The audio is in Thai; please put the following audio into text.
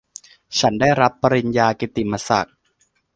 ฉันได้รับปริญญากิตติมศักดิ์